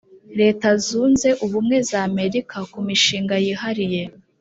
leta zunze ubumwe za amerika ku mishanga yihariye